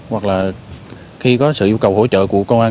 hoặc là khi có sự yêu cầu hỗ trợ của công an